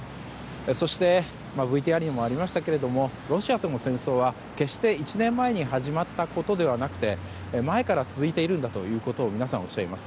そして、ＶＴＲにもありましたけどもロシアとの戦争は決して１年前に始まったことではなくて前から続いているんだと皆さんおっしゃいます。